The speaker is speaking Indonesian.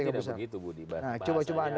tidak begitu budi nah coba coba anda